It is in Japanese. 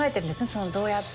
そのどうやって。